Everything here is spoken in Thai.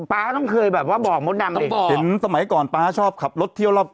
๊าต้องเคยแบบว่าบอกมดดำเองเห็นสมัยก่อนป๊าชอบขับรถเที่ยวรอบ